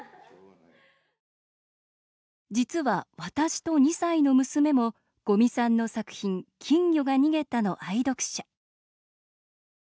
実は私と２歳の娘も五味さんの作品「きんぎょがにげた」の愛読者